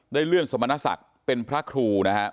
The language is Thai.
ได้เรื่องสมนตสักเป็นพระครูนะคะ